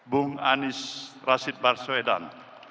bung anis rasid barswedan